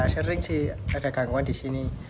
sering sih ada gangguan di sini